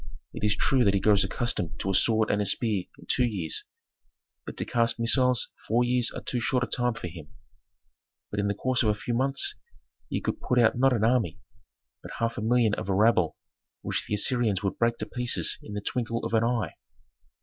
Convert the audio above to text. It is true that he grows accustomed to a sword and a spear in two years, but to cast missiles four years are too short a time for him. So in the course of a few months ye could put out not an army, but half a million of a rabble which the Assyrians would break to pieces in the twinkle of an eye.